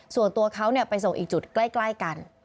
ส่วนตัวเขาไปส่งอีกจุดใกล้กัน